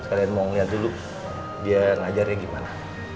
sekalian mau liat dulu dia ngajar yang gimana